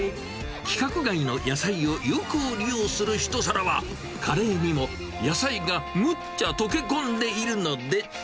規格外の野菜を有効利用する一皿は、カレーにも野菜がむっちゃ溶け込んでいるので。